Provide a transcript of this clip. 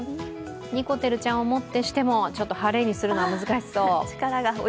にこてるちゃんをもってしても晴れにするのは難しそう。